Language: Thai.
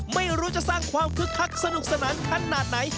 ไม่รู้จะสร้างความคึกคักสนุกสนานขนาดไหน